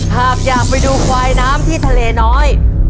หากอยากไปดูควายน้ำที่ทะเลน้อย